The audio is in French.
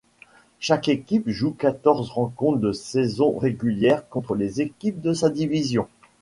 Chaque équipe joue quatorze rencontres de saison régulière contre les équipes de sa division.